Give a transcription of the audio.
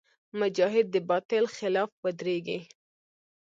مجاهد د باطل خلاف ودریږي.